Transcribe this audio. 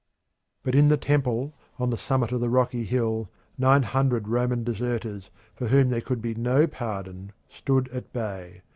But in the temple on the summit of the rocky hill nine hundred Roman deserters, for whom there could be no pardon, stood at bay.